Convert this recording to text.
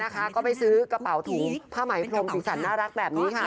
ก็ไปซื้อกระเป๋าถุงผ้าไหมพรมสีสันน่ารักแบบนี้ค่ะ